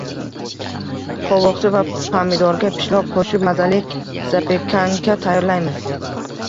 Qovoqcha va pomidorga pishloq qo‘shib mazali zapekanka tayyorlaymiz